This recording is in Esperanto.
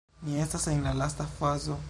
Ni estas en la lasta fazo